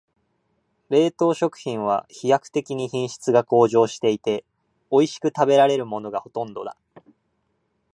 冷凍食品は飛躍的に品質が向上していて、おいしく食べられるものがほとんどだ。